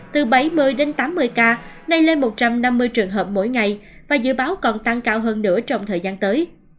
từ bảy mươi đến tám mươi ca nay lên một trăm năm mươi trường hợp mỗi ngày và dự báo còn tăng cao hơn nữa trong thời gian tới